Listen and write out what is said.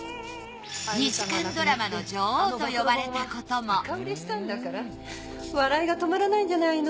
２時間ドラマの女王と呼ばれたことも笑いが止まらないんじゃないの？